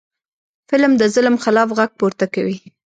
فلم د ظلم خلاف غږ پورته کوي